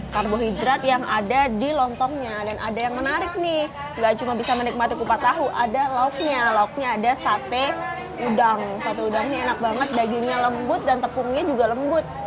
satu udang ini enak banget dagingnya lembut dan tepungnya juga lembut